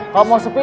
kalo mau sepi